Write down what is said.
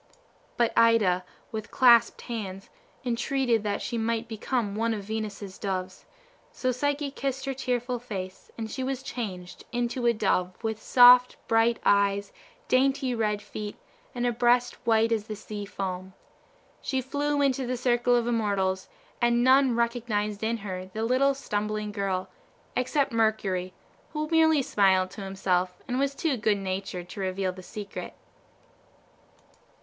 But Ida, with clasped hands, entreated that she might become one of Venus's Doves; so Psyche kissed her tearful face, and she was changed into a dove with soft, bright eyes, dainty red feet, and a breast white as the sea foam. She flew into the circle of immortals, and none recognized in her the little stumbling girl, except Mercury, who merely smiled to himself, and was too good natured to reveal the secret.